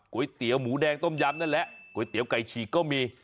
เตี๋ยวหมูแดงต้มยำนั่นแหละก๋วยเตี๋ยวไก่ฉีกก็มี